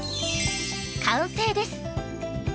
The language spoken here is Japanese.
完成です。